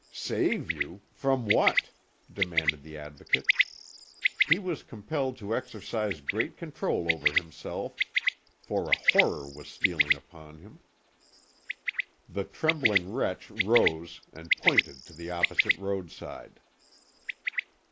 "Save you! From what?" demanded the Advocate. He was compelled to exercise great control over himself, for a horror was stealing upon him. The trembling wretch rose, and pointed to the opposite roadside.